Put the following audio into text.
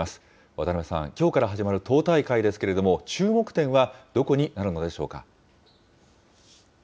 渡辺さん、きょうから始まる党大会ですけれども、注目点はどこになるのでしょうか。